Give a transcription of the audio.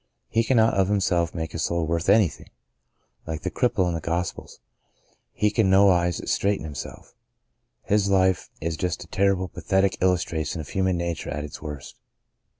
He cannot, of himself, make his soul worth anything. Like the cripple in the Gospels, he can in no wise straighten himself." His life is just a terrible, pathetic illustration of human nature at its worst.